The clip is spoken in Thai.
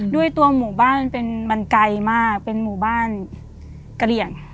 ด้วยตัวหมู่บ้านมันไกลมากเป็นหมู่บ้านกะเหลี่ยง